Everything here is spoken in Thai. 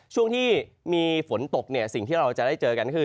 ช่วงที่มีฝนตกเนี่ยสิ่งที่เราจะได้เจอกันคือ